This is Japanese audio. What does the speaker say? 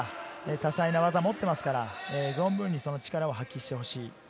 多彩な技を持っていますから、存分に力を発揮してほしい。